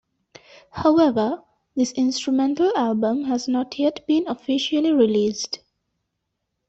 However, this instrumental album has not yet been officially released.